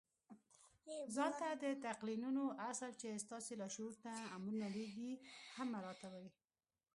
ځان ته د تلقينولو اصل چې ستاسې لاشعور ته امرونه لېږي هم مراعتوئ.